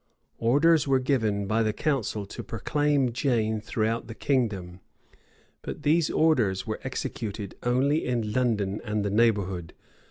Orders were given by the council to proclaim Jane throughout the kingdom; but these orders were executed only in London and the neighborhood.